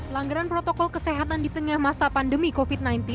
langgaran protokol kesehatan di tengah masa pandemi covid sembilan belas